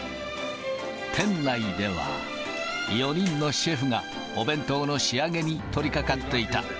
店内では、４人のシェフが、お弁当の仕上げに取りかかっていた。